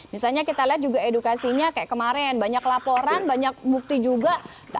misalnya kita lihat juga edukasinya kayak kemarin banyak laporan banyak bukti juga